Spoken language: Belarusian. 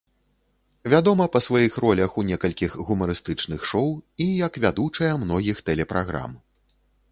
Вядома па сваіх ролях у некалькіх гумарыстычных шоу і як вядучая многіх тэлепраграм.